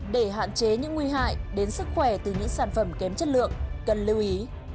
để hạn chế những nguy hại đến sức khỏe từ những sản phẩm kém chất lượng cần lưu ý